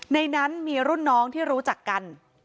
ในนั้นมีรุ่นน้องที่รู้จักกัน